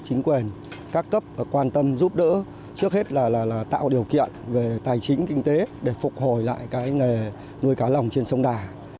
chính quyền các cấp quan tâm giúp đỡ trước hết là tạo điều kiện về tài chính kinh tế để phục hồi lại cái nghề nuôi cá lồng trên sông đà